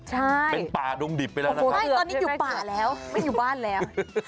ใช่ตอนนี้อยู่ป่าแล้วไม่อยู่บ้านแล้ว